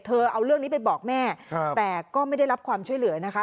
เอาเรื่องนี้ไปบอกแม่แต่ก็ไม่ได้รับความช่วยเหลือนะคะ